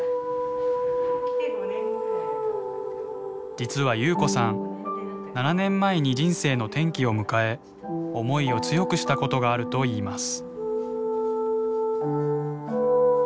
実は夕子さん７年前に人生の転機を迎え思いを強くしたことがあるといいます。